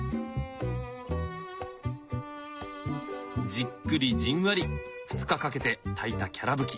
じっくりじんわり２日かけて炊いたきゃらぶき。